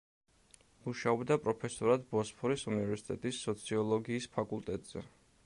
მუშაობდა პროფესორად ბოსფორის უნივერსიტეტის სოციოლოგიის ფაკულტეტზე.